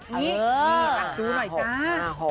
๕๕๖นี่นี่ดูหน่อยจ้า